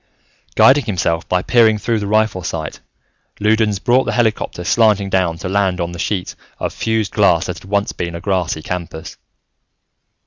Guiding himself by peering through the rifle sight, Loudons brought the helicopter slanting down to land on the sheet of fused glass that had once been a grassy campus.